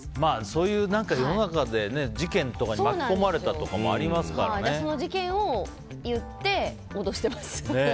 そういう世の中で事件とかに巻き込まれたとかもその事件を言って、脅してます。